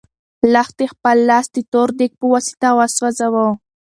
لښتې خپل لاس د تور دېګ په واسطه وسوځاوه.